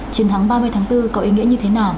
chiến thắng ba mươi tháng bốn có ý nghĩa như thế nào